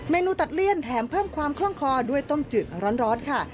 นูตัดเลี่ยนแถมเพิ่มความคล่องคอด้วยต้มจืดร้อนค่ะ